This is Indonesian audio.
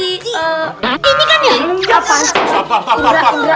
ini kan yang menungkapkan